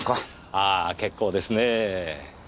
ああ結構ですねぇ。